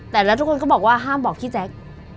แต่แล้วทุกคนก็บอกว่าห้ามบอกพี่แจ๊ค